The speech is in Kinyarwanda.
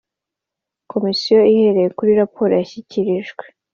Komisiyo ihereye kuri raporo yashyikirijwe